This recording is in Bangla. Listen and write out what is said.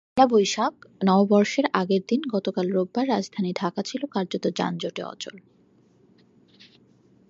পয়লা বৈশাখ, নববর্ষের আগের দিন গতকাল রোববার রাজধানী ঢাকা ছিল কার্যত যানজটে অচল।